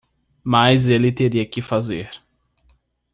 Mas ele teria que fazer.